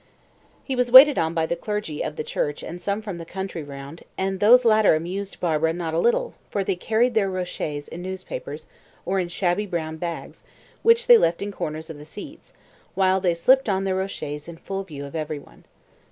He was waited on by the clergy of the church and some from the country round, and these latter amused Barbara not a little, for they carried their rochets in newspapers, or in shabby brown bags, which they left in corners of the seats, while they slipped on their rochets in full view of every one.